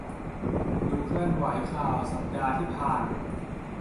ดูเคลื่อนไหวข่าวสัปดาห์ที่ผ่าน